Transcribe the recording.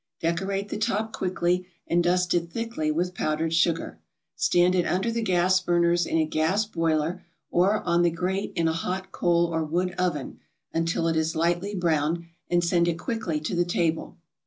Decorate the top quickly, and dust it thickly with powdered sugar; stand it under the gas burners in a gas broiler or on the grate in a hot coal or wood oven until it is lightly browned, and send it quickly to the table.